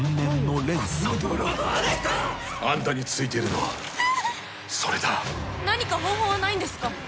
この泥棒猫あんたについているのはそれだ何か方法はないんですか？